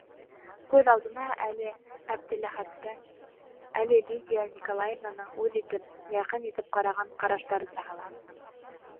Күҙ алдына әле Әптеләхәттең, әле Лидия Николаевнаның үҙ итеп, яҡын итеп ҡараған ҡараштары сағыла.